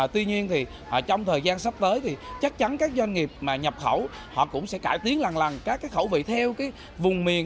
tuy nhiên trong thời gian sắp tới chắc chắn các doanh nghiệp nhập khẩu họ cũng sẽ cải tiến lần lần các khẩu vị theo vùng miền